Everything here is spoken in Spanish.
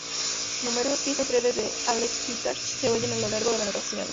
Numerosas piezas breves de Aleix Pitarch se oyen a lo largo de la narración.